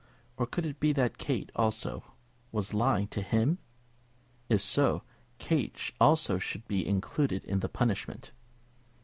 Or could it be that Kate, also, was lying to him? If so, Kate also should be included in the punishment.